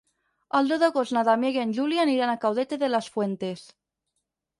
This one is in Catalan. El deu d'agost na Damià i en Juli aniran a Caudete de las Fuentes.